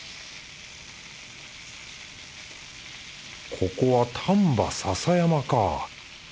ここは丹波篠山か。